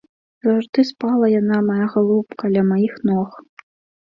Заўжды спала яна, мая галубка, ля маіх ног.